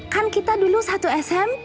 kan kita dulu satu sm